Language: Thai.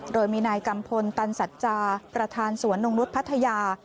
โดยมีนายกัมพลตันสัจจาประธานสวนนงนุษย์พัทยา